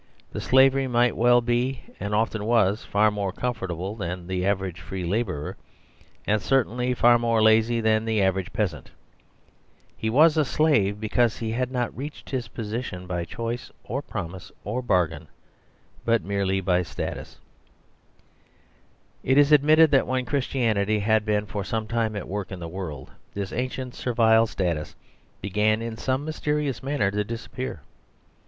The slave might well be, and often was, far more comfortable than the average free la bourer; and certainly far more lazy than the average peasant. He was a slave because he 90 The Superstition of Divorce had not reached his position by choice, or promise, or bargain, but merely by status. It is admitted that when Christianity had been for some time at work in the world, this ancient servile status began in some mysteri ous manner to disappear.